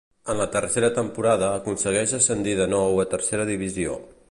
En la tercera temporada aconsegueix ascendir de nou a tercera divisió.